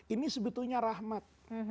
ini sebetulnya rahmat